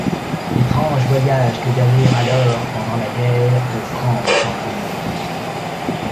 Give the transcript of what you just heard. Etrange voyage que d'aller alors, pendant la guerre, de France en Roumanie.